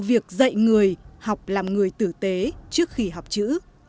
việc dạy người học làm người tử tế trước khi học chữ